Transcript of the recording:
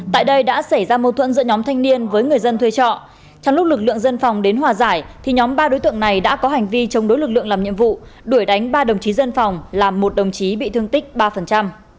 tại đây đã xảy ra mâu thuẫn giữa nhóm thanh niên với người dân thuê trọ trong lúc lực lượng dân phòng đến hòa giải thì nhóm ba đối tượng này đã có hành vi chống đối lực lượng làm nhiệm vụ đuổi đánh ba đồng chí dân phòng làm một đồng chí bị thương tích ba